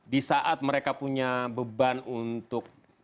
di saat mereka punya beban untuk